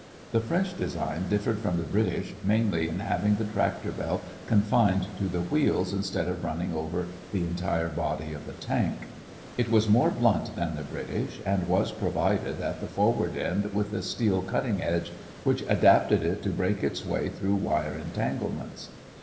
The French design differed from the British mainly in having the tractor belt confined to the wheels instead of running over the entire body of the tank. It was more blunt than the British and was provided at the forward end with a steel cutting edge, which adapted it to break its way through wire entanglements.